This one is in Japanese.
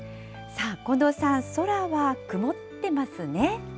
さあ、近藤さん、空は曇ってますね。